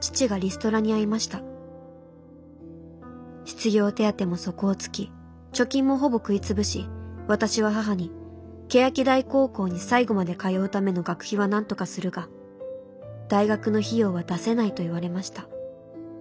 失業手当も底を突き貯金もほぼ食いつぶし私は母に欅台高校に最後まで通うための学費はなんとかするが大学の費用は出せないと言われました。